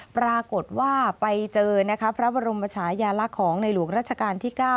ปรากฏว่าไปเจอพระบรมชายาลักษณ์ของในหลวงราชการที่๙